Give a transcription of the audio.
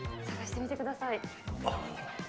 探してみてください。